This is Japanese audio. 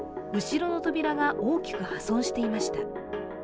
後ろの扉が大きく破損していました。